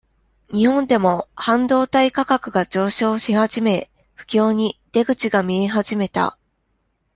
日本でも、半導体価格が上昇し始め、不況に、出口が見え始めた。